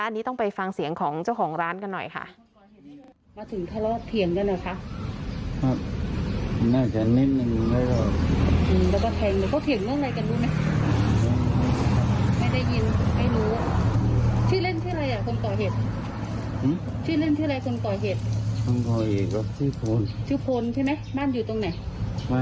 อันนี้ต้องไปฟังเสียงของเจ้าของร้านกันหน่อยค่ะ